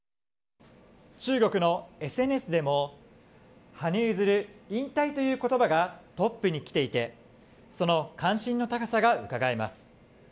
中国のＳＮＳでも羽生結弦、引退という言葉がトップにきていてその関心の高さがうかがえます。